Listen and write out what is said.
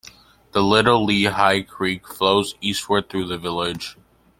The Little Lehigh Creek flows eastward through the village.